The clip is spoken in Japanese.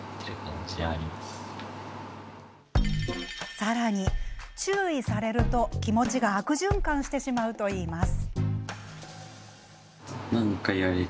さらに、注意されると気持ちが悪循環してしまうといいます。